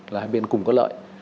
là hai bên cùng có lợi